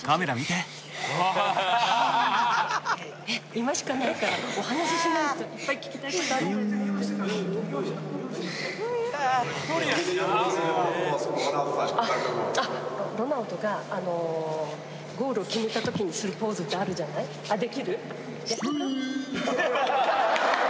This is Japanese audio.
今しかないからお話ししないといっぱい聞きたいことあるわよねロナウドがゴールをきめた時にするポーズってあるじゃないあれできる？